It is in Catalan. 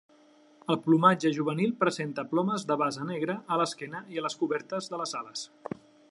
El plomatge juvenil presenta plomes de base negra a l'esquena i les cobertes de les ales.